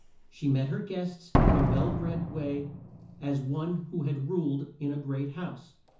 She met her guests in a well bred way as one who had ruled in a great house.